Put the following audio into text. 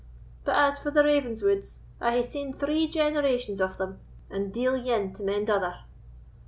But as for the Ravenswoods, I hae seen three generations of them, and deil ane to mend other."